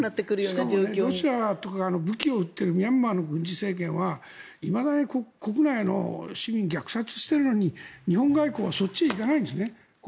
しかもロシアとか武器を売っているミャンマーの軍事政権はいまだに国内の市民を虐殺しているのに日本外交はそっちに行かないんですね。